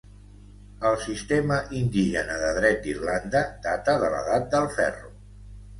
El sistema indígena de dret d'Irlanda data de l'Edat del Ferro.